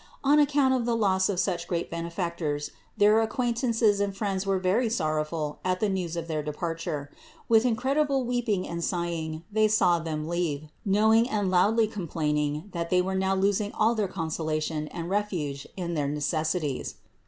On account of the loss of such great Benefactors their acquaintances and friends were very sorrowful at the news of their departure ; with incredible weeping and sighing they saw Them leave, knowing and loudly com plaining, that they were now losing all their consolation and refuge in their necessities.